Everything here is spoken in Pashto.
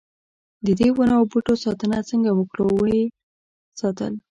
ددې ونو او بوټو ساتنه څنګه وکړو ونه یې ساتل.